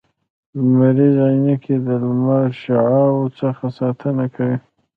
لمریزي عینکي د لمر د شعاوو څخه ساتنه کوي